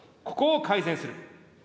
ここを改善する。